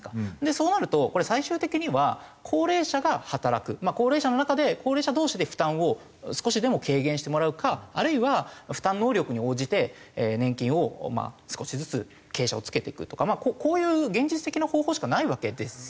そうなるとこれ最終的には高齢者が働く高齢者の中で高齢者同士で負担を少しでも軽減してもらうかあるいは負担能力に応じて年金を少しずつ傾斜をつけていくとかこういう現実的な方法しかないわけですよね。